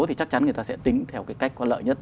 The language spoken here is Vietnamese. thì chắc chắn người ta sẽ tính theo cái cách có lợi nhất